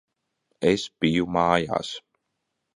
Es biju mājās.